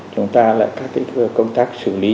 chúng ta lại các công tác xử lý